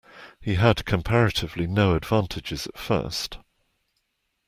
He had comparatively no advantages at first.